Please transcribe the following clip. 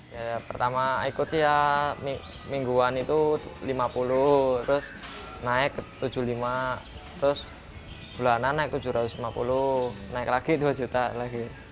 ya pertama ikut sih ya mingguan itu lima puluh terus naik ke tujuh puluh lima terus bulanan naik rp tujuh ratus lima puluh naik lagi dua juta lagi